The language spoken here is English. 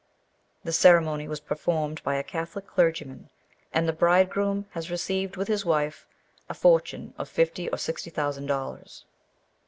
The ceremony was performed by a Catholic clergyman, and the bridegroom has received with his wife a fortune of fifty or sixty thousand dollars.'